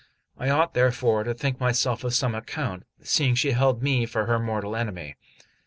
I ought therefore to think myself of some account, seeing she held me for her mortal enemy.